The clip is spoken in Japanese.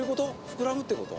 膨らむってこと？